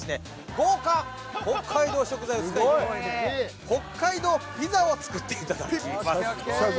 豪華北海道食材を使い北海道ピザを作っていただきます。